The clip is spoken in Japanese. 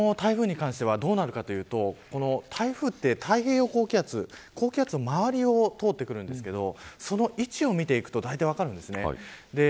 この台風に関してはどうなるかというと台風って太平洋高気圧の周りを通ってくるんですけどその位置を見ていくとたいてい分かるんです。